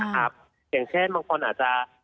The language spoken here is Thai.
อย่างเช่นบางคนอาจจะ